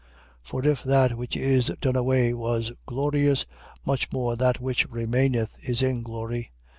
3:11. For if that which is done away was glorious, much more that which remaineth is in glory.